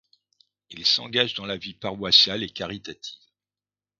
Il s'engage dans la vie paroissiale et caritative.